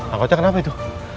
angkotnya kenapa itu